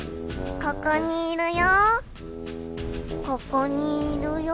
ここにいるよ。